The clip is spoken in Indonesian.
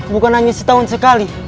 bukan hanya setahun sekali